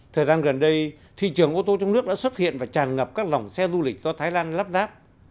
thời gian gần đây thị trường ô tô trong nước đã xuất hiện và tràn ngập các dòng xe du lịch do thái lan lắp ráp